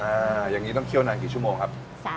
อย่างนี้ต้องเคี่ยวนานกี่ชั่วโมงครับ